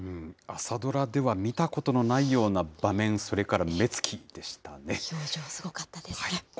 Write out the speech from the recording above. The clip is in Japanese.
朝ドラでは見たことのないような場面、表情、すごかったですね。